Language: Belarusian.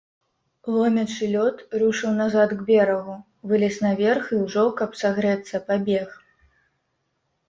Ломячы лёд, рушыў назад к берагу, вылез наверх і ўжо, каб сагрэцца, пабег.